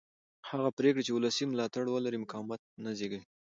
هغه پرېکړې چې ولسي ملاتړ ولري مقاومت نه زېږوي